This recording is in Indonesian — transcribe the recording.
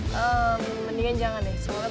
kabarsanya keb steng keng